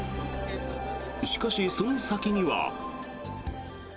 しかし、その先には。